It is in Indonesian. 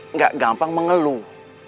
nggak gampang mengeluh